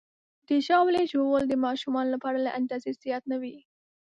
د ژاولې ژوول د ماشومانو لپاره له اندازې زیات نه وي.